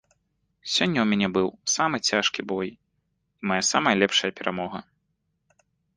Сёння ў мяне быў самы цяжкі бой і мая самая лепшая перамога!